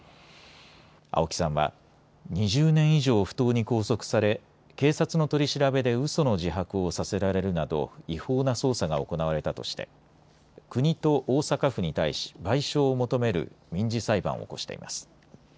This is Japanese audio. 青木さんは２０年以上、不当に拘束され警察の取り調べでうその自白をさせられるなど違法な捜査が行われたとして国と大阪府に対し賠償を求める民事裁判を起こしています。